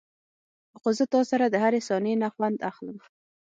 خو زه تاسره دهرې ثانيې نه خوند اخلم.